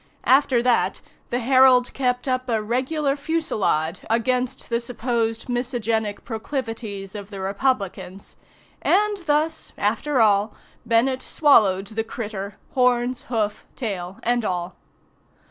After that, the "Herald" kept up a regular fusillade against the supposed miscegenic proclivities of the Republicans. And thus, after all, Bennett swallowed the "critter" horns, hoofs, tail, and all.